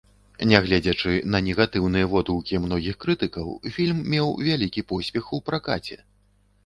Нягледзячы на негатыўныя водгукі многіх крытыкаў, фільм меў вялікі поспех у пракаце.